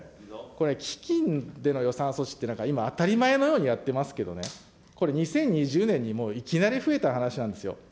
これ、基金での予算措置って、なんか今、当たり前のようにやってますけれども、これ、２０２０年にもういきなり増えた話なんですよ。